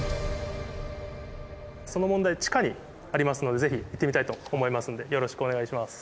その問題地下にありますので是非行ってみたいと思いますんでよろしくお願いします。